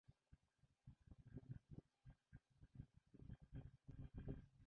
Адна з галоўных транспартных магістраляў.